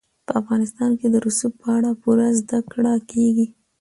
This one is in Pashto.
په افغانستان کې د رسوب په اړه پوره زده کړه کېږي.